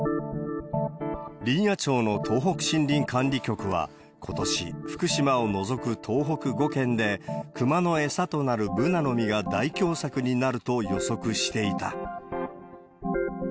林野庁の東北森林管理局はことし、福島を除く東北５県で、くまの餌となるブナの実が大凶作になると予測していた。